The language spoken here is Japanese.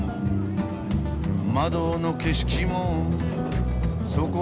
「窓の景色もそこそこに」